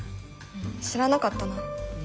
知らなかったな。